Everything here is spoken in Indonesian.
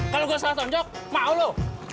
kalau gue salah tonjok mau lo